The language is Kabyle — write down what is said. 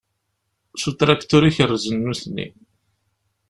S utraktur i kerrzen nutni.